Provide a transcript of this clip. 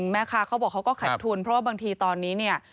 แม่ค่ะเขาบอกเขาก็ขายทุนเพราะบางทีตอนนี้เนี่ย